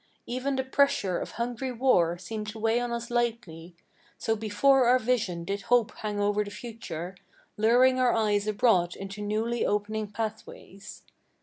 Even the pressure of hungry war seemed to weigh on us lightly, So before our vision did hope hang over the future, Luring our eyes abroad into newly opening pathways.